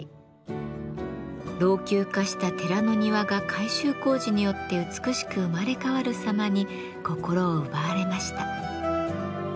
老朽化した寺の庭が改修工事によって美しく生まれ変わる様に心を奪われました。